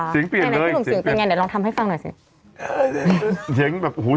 เสียงเปลี่ยนเลยค่ะเห็นไหนพี่หนุ่ม